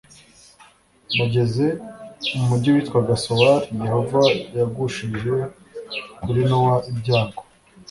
bageze mu mugi witwaga sowari yehova yagushije kuri nowa ibyago